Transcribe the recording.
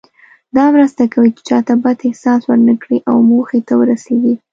دا مرسته کوي چې چاته بد احساس ورنه کړئ او موخې ته ورسیږئ.